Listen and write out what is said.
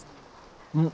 うん。